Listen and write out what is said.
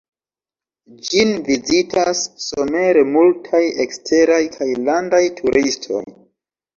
Ĝin vizitas somere multaj eksteraj kaj landaj turistoj.